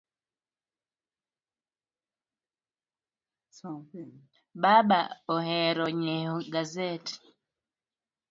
Baba ohero nyieo gaset